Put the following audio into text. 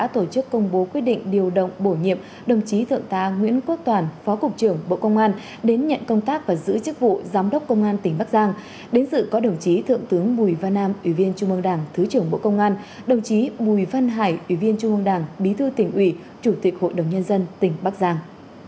tại lễ công bố thứ trưởng bộ công an tỉnh hương yên đến nhận công tác và giữ chức vụ giám đốc công an tỉnh bắc giang đến dự có đồng chí thượng tướng bùi văn nam ủy viên trung ương đảng thứ trưởng bộ công an đồng chí bùi văn hải ủy viên trung ương đảng bí thư tỉnh ủy chủ tịch hội đồng nhân dân tỉnh bắc giang